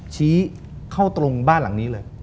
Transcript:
ชี้เข้าตรงบ้านหลังนี้เลย